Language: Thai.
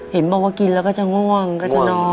เห็นบอกว่ากินแล้วก็จะง่วงก็จะน้อย